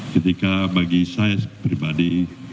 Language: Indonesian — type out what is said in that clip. ketika bagi saya pribadi